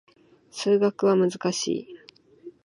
数学は難しい